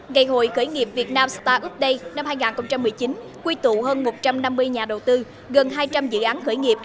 ngày hội khởi nghiệp việt nam startup day năm hai nghìn một mươi chín quy tụ hơn một trăm năm mươi nhà đầu tư gần hai trăm linh dự án khởi nghiệp